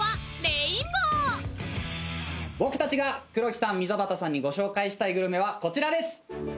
僕たちが黒木さん溝端さんにご紹介したいグルメはこちらです。